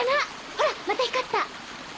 ほらまた光った。